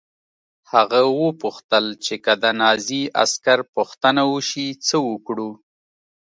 هغه وپوښتل چې که د نازي عسکر پوښتنه وشي څه وکړو